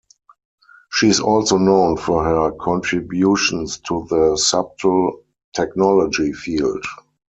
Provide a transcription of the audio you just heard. She is also known for her contributions to the subtle technology field.